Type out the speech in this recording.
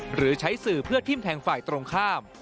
หรือใช้สื่อเพื่อทิ้มแทงฝ่ายตรงข้าม